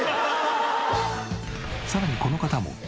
さらにこの方も。